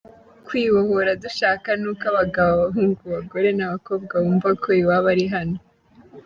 Kwibohora dushaka ni uko abagabo, abahungu, abagore n’abakobwa bumva ko iwabo ari hano.